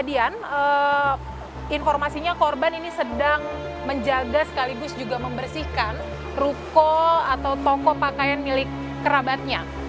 dan informasinya korban ini sedang menjaga sekaligus juga membersihkan ruko atau toko pakaian milik kerabatnya